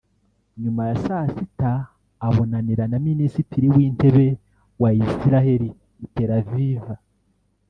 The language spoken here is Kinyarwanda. nyuma ya saa sita abonanira na Minisitiri w’intebe wa Isiraheri i Tel Aviv